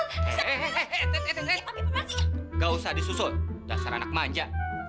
enggak usah disusul dasar anak manja